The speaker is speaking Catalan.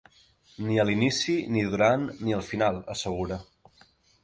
Ni a l’inici, ni durant, ni al final, assegura.